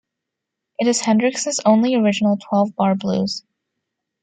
It is Hendrix's only original twelve-bar blues.